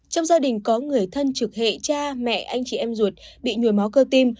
trong gia đình có người thân trực hệ cha mẹ anh chị em ruột bị nhồi máu cơ tim